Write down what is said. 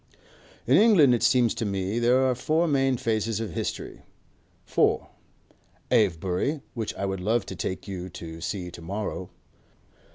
"In England, it seems to me there are four main phases of history. Four. Avebury, which I would love to take you to see to morrow.